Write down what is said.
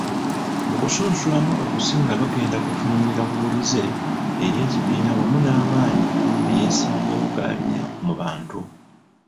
Mu kusunsulamu okusinga bagenda kutunuulira buwulize eri ekibiina wamu n'amaanyi eyeesimbyewo galina mu bantu.